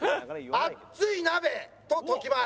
あっつい鍋と解きます。